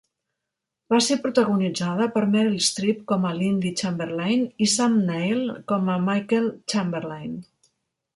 Va ser protagonitzada per Meryl Streep com a Lindy Chamberlain i Sam Neill com a Michael Chamberlain.